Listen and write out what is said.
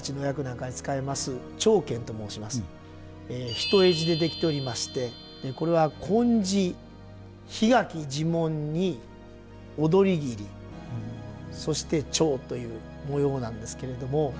単地で出来ておりましてこれは紺地桧垣地紋二踊桐そして蝶という模様なんですけれども。